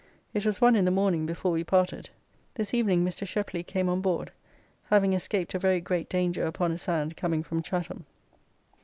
It was one in the morning before we parted. This evening Mr. Sheply came on board, having escaped a very great danger upon a sand coming from Chatham.